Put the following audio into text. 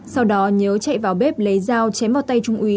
sau đó nhớ chạy vào bếp lấy dao chém vào tay trung úy